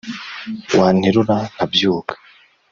wanterura nkabyuka